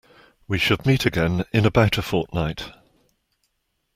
We should meet again in about a fortnight